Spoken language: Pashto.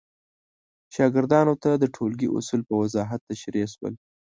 شاګردانو ته د ټولګي اصول په وضاحت تشریح شول.